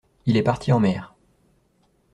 Il est parti en mer.